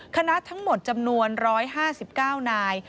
คณะทั้งหมดจำนวน๑๕๙นาย